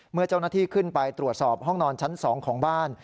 เมื่อเจ้าหน้าที่ขึ้นไปตรวจสอบห้องนอนชั้น๒ของบ้าน